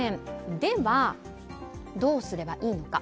ではどうすればいいのか。